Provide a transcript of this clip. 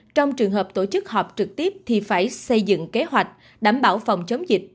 trong trường hợp tổ chức họp trực tiếp thì phải xây dựng kế hoạch đảm bảo phòng chống dịch